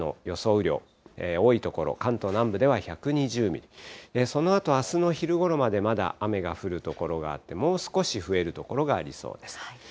雨量、多い所、関東南部では１２０ミリ、そのあと、あすの昼ごろまでまだ雨が降る所があって、もう少し増える所がありそうです。